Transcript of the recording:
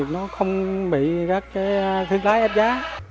nó không bị các thiên lái ép giá